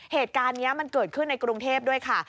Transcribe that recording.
เหตุการณ์นี้มันเกิดขึ้นในกรุงเทพด้วยค่ะ